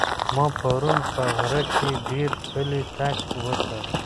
ما پرون په غره کې ډېر پلی تګ وکړ.